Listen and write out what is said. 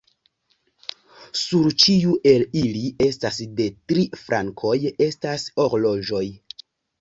Sur ĉiu el ili estas de tri flankoj estas horloĝoj.